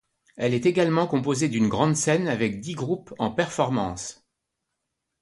Elle est également composée d'une grande scène avec dix groupes en performance.